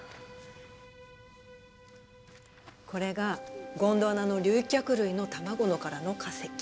これがゴンドワナの竜脚類の卵の殻の化石。